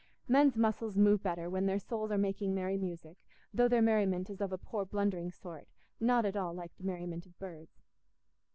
Men's muscles move better when their souls are making merry music, though their merriment is of a poor blundering sort, not at all like the merriment of birds.